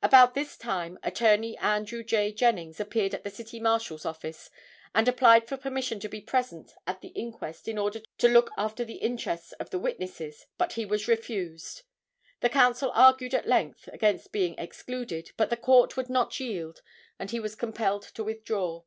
About this time Attorney Andrew J. Jennings appeared at the City Marshal's office and applied for permission to be present at the inquest in order to look after the interests of the witnesses, but he was refused. The Counsel argued at length against being excluded, but the Court would not yield and he was compelled to withdraw.